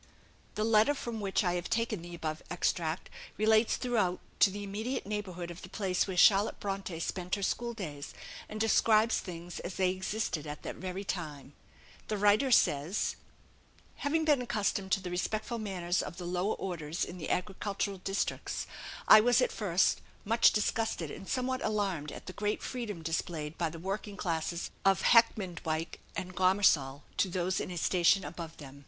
The letter from which I have taken the above extract relates throughout to the immediate neighbourhood of the place where Charlotte Bronte spent her school days, and describes things as they existed at that very time. The writer says, "Having been accustomed to the respectful manners of the lower orders in the agricultural districts, I was at first, much disgusted and somewhat alarmed at the great freedom displayed by the working classes of Heckmondwike and Gomersall to those in a station above them.